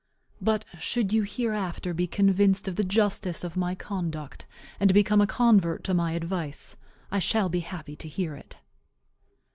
But should you hereafter be convinced of the justice of my conduct, and become a convert to my advice, I shall be happy to hear it.